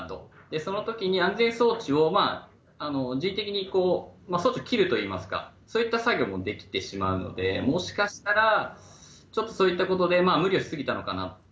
そのときに安全装置を人的に装置を切るといいますか、そういった作業もできてしまうので、もしかしたら、ちょっとそういったことで無理をし過ぎたのかな。